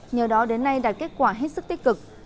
nhờ đó đến nay đạt kết quả hết sức tích cực